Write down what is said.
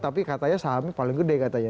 tapi katanya sahamnya paling gede katanya